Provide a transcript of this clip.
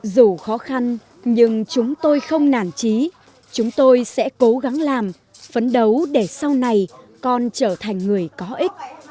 dù khó khăn nhưng chúng tôi không nản trí chúng tôi sẽ cố gắng làm phấn đấu để sau này con trở thành người có ích